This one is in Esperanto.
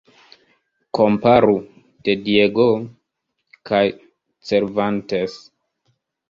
Komparu "De Diego" kaj "Cervantes".